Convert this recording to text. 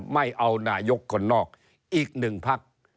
ไม่เอานายกคนนอกอีกหนึ่งพัก